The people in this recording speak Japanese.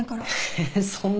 ええそんな。